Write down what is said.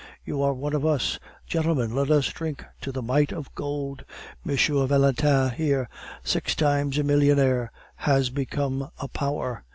You are one of us. Gentlemen, let us drink to the might of gold! M. Valentin here, six times a millionaire, has become a power.